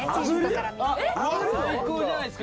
最高じゃないっすかこれ。